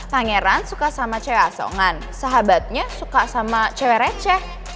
pangeran suka sama c asongan sahabatnya suka sama cewek receh